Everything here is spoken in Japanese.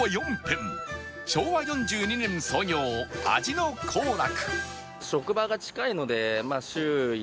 昭和４２年創業味の幸楽